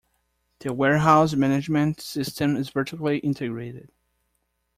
The warehouse management system is vertically integrated.